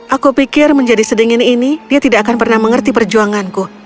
aku pikir menjadi sedingin ini dia tidak akan pernah mengerti perjuanganku